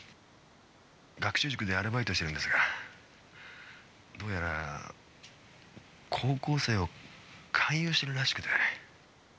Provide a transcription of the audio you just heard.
学習塾でアルバイトしてるんですがどうやら高校生を勧誘してるらしくて。